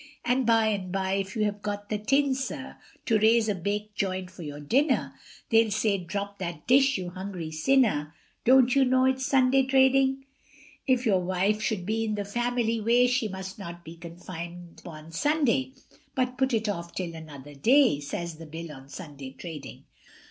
And by and bye, if you have got the tin, sir, To raise a baked joint for your dinner, They'll say, drop that dish, you hungry sinner, Don't you know it's Sunday trading? If your wife should be in the family way, She must not be confined upon Sunday, But put it off till another day, Says the Bill on Sunday trading.